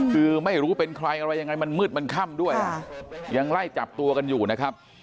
คือไม่รู้เป็นใครอะไรยังไงมันมืดมันค่ำด้วยยังไล่จับตัวกันอยู่นะครับ